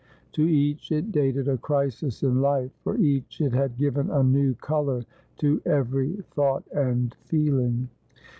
To each it dated a crisis in life : for each it had given a new colour to every thought and feeling.